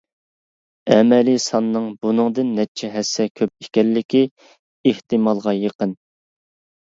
ئەمەلىي ساننىڭ بۇنىڭدىن نەچچە ھەسسە كۆپ ئىكەنلىكى ئېھتىمالغا يېقىن.